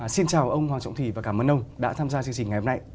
xin chào ông hoàng trọng thị và cảm ơn ông đã tham gia chương trình ngày hôm nay